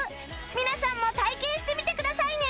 皆さんも体験してみてくださいね！